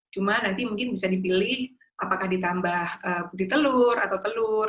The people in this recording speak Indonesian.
cuma nanti mungkin bisa dipilih apakah ditambah putih telur atau telur